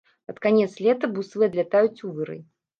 Пад канец лета буслы адлятаюць у вырай.